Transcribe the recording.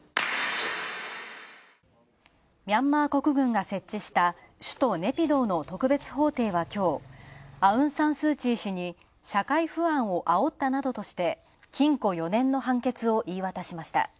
ミャンマー国軍が設置した、首都ネピドーの特別法廷はきょうアウン・サン・スー・チー氏に社会不安をあおったなどとして、禁固４年の判決を言い渡しました。